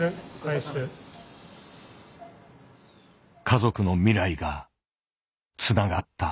家族の未来がつながった。